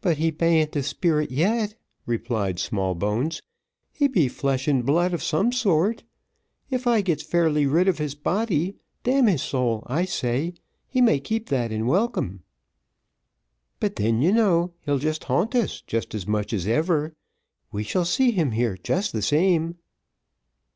"But he ban't a spirit yet," replied Smallbones; "he be flesh and blood o' some sort. If I gets fairly rid of his body, d n his soul, I say, he may keep that and welcome." "But then, you know, he'll haunt us just as much as ever we shall see him here just the same."